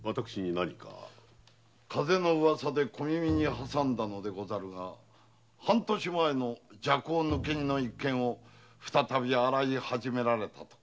風の噂で小耳にはさんだのでござるが半年前の麝香抜け荷の一件を再び洗い始められたとか？